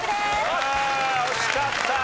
ああ惜しかった。